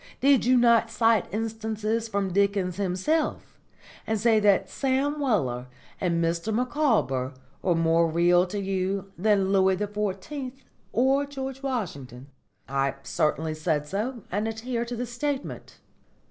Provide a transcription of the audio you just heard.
Did you not cite instances from Dickens himself and say that Sam Weller and Mr Micawber were more real to you than Louis XIV or George Washington?" "I certainly said so, and adhere to the statement."